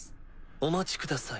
お待ちください